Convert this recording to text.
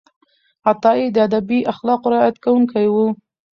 عطایي د ادبي اخلاقو رعایت کوونکی و.